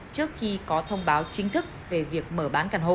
trước khi có thông báo chính thức về việc mở bán căn hộ